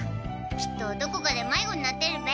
きっとどこかで迷子になってるべ。